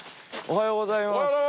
おはようございます。